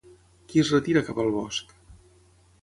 Qui es retira cap al bosc?